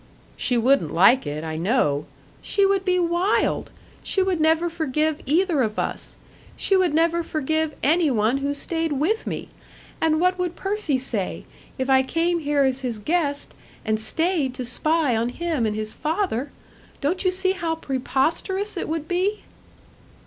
"She wouldn't like it, I know " "She would be wild! She would never forgive either of us. She would never forgive any one who stayed with me. And what would Percy say, if I came here as his guest, and stayed to spy on him and his father? Don't you see how preposterous it would be?"